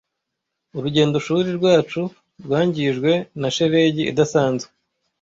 Urugendo shuri rwacu rwangijwe na shelegi idasanzwe.